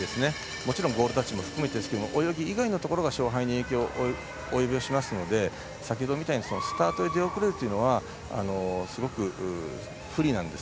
もちろんゴールタッチも含めてですけれども泳ぎ以外のところも勝敗に影響を及ぼすので先ほどみたいにスタートで出遅れるというのはすごく不利なんです。